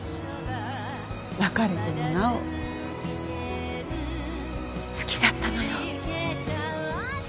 別れてもなお好きだったのよ。